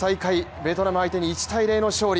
ベトナム相手に１対０の勝利。